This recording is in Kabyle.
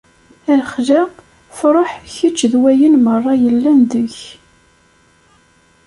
A lexla, fṛeḥ kečč d wayen merra yellan deg-k!